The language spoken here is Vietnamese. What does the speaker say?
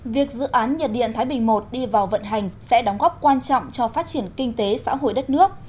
việc dự án nhiệt điện thái bình i đi vào vận hành sẽ đóng góp quan trọng cho phát triển kinh tế xã hội đất nước